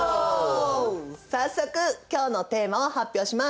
早速今日のテーマを発表します！